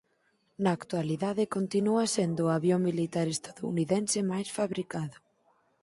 Na actualidade continua sendo o avión militar estadounidense máis fabricado.